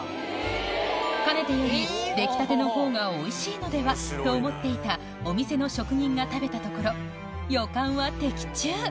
かねてより「出来たての方がおいしいのでは？」と思っていたお店の職人が食べたところ予感は的中！